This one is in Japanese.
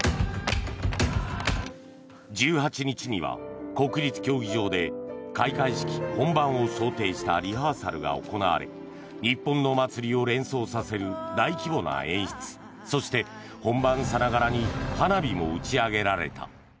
１８日には国立競技場で開会式本番を想定したリハーサルが行われ日本の祭りを連想させる大規模な演出そして本番さながらに花火も打ち上げられた。